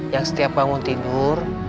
yang setiap bangun tidur